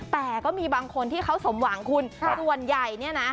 แต่ก็มีบางคนที่เขาสมหวังคุณส่วนใหญ่เนี่ยนะ